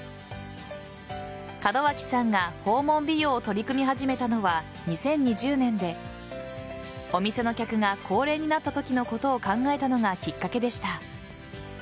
門脇さんが訪問美容を取り組み始めたのは２０２０年でお店の客が高齢になったときのことを考えたのがきっかけでした。